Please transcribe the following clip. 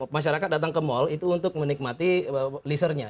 masyarakat datang ke mal itu untuk menikmati leasernya